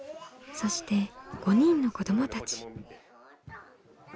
そして５人の子どもたち。